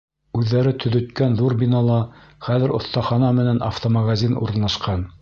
Үҙҙәре төҙөткән ҙур бинала хәҙер оҫтахана менән автомагазин урынлашҡан.